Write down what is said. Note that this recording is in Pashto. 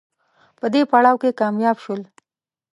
په دې پړاو کې کامیاب شول